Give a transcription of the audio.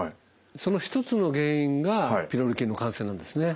その一つの原因がピロリ菌の感染なんですね。